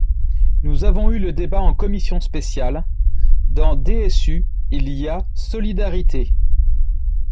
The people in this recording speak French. Nous avons eu le débat en commission spéciale ; dans DSU il y a « solidarité ».